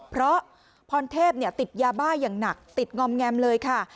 เพราะพรเทพติดยาบ้าอย่างหนักติดงอมแงมเลยค่ะ